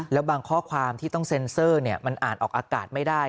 แล้วบางข้อความที่ต้องเซ็นเซอร์มันอ่านออกอากาศไม่ได้